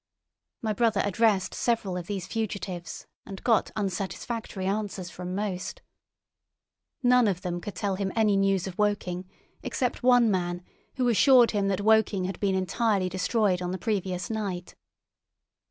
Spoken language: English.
My brother addressed several of these fugitives and got unsatisfactory answers from most. None of them could tell him any news of Woking except one man, who assured him that Woking had been entirely destroyed on the previous night.